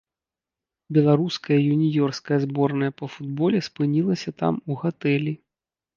Беларуская юніёрская зборная па футболе спынілася там у гатэлі.